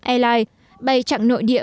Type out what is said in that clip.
airline bay chặng nội địa